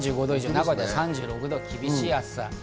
名古屋で３６度、厳しい暑さ。